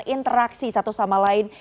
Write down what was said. interaksi satu sama lain